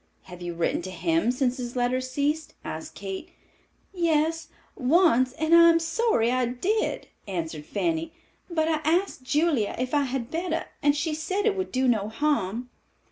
"Have you written to him since his letters ceased?" asked Kate. "Yes, once, and I am sorry I did," answered Fanny; "but I asked Julia if I had better, and she said it would do no harm."